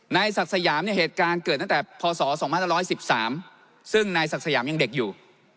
นายศักดิ์สยามเนี่ยเหตุการณ์เกิดตั้งแต่พศ๒๕๑๓ซึ่งนายศักดิ์สยามยังเด็กอยู่